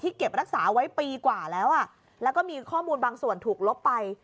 เก็บรักษาไว้ปีกว่าแล้วแล้วก็มีข้อมูลบางส่วนถูกลบไป